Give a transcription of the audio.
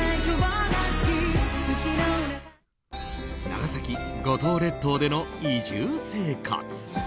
長崎・五島列島での移住生活。